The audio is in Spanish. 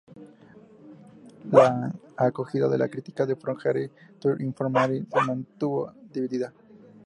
La acogida de la crítica de "From Here to Infirmary" se mantuvo dividida.